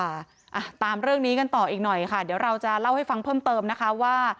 อ่าตามเรื่องนี้กันต่ออีกหน่อยค่ะเดี๋ยวเราจะเล่าให้ฟังเพิ่มเติมนะคะว่า